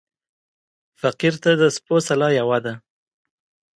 فقير ته د سپو سلا يوه ده.